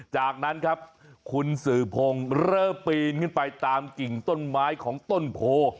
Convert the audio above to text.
จากนั้นครับคุณสื่อพงศ์เริ่มปีนขึ้นไปตามกิ่งต้นไม้ของต้นโพ